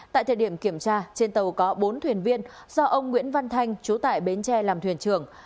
tại thời điểm kiểm tra trên tàu có bốn thuyền viên do ông nguyễn văn thanh chú tại bến tre làm thuyền trưởng